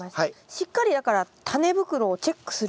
しっかりだからタネ袋をチェックする。